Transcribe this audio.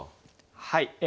はい。